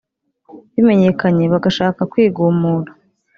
bimenyekanye bagashaka kwigumura